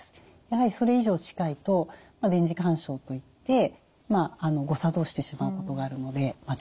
やはりそれ以上近いと電磁干渉といって誤作動してしまうことがあるので注意が必要です。